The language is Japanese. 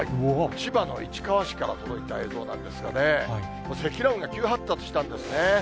千葉の市川市から届いた映像なんですがね、積乱雲が急発達したんですね。